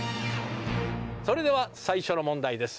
それでは最初の問題です。